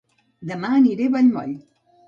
Dema aniré a Vallmoll